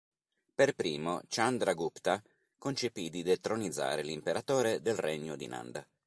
Per primo Chandragupta concepì di detronizzare l'imperatore del Regno di Nanda.